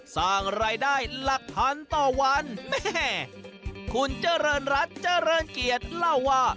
สร้างรายได้หลักพันต่อวันแม่คุณเจริญรัฐเจริญเกียรติเล่าว่า